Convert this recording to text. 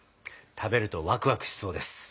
食べるとワクワクしそうです。